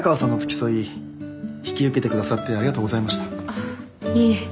ああいえ。